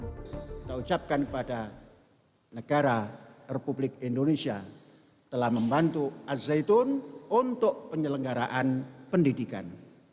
kita ucapkan kepada negara republik indonesia telah membantu al zaitun untuk penyelenggaraan pendidikan